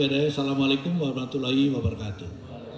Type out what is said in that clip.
assalamu alaikum warahmatullahi wabarakatuh